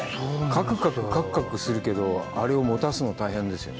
カクカク、カクカクするけど、あれをもたすの大変ですよね。